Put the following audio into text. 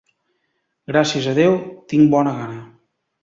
Gràcies a Déu, tinc bona gana.